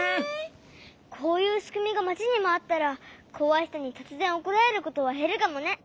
こういうしくみがまちにもあったらこわいひとにとつぜんおこられることはへるかもね。